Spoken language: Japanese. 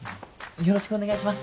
よろしくお願いします。